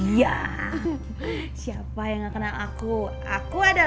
iya siapa yang gak kenal aku aku adalah